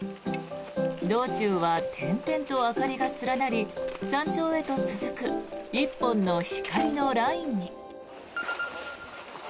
道中は転々と明かりが連なり山頂へと続く一本の光のラインに。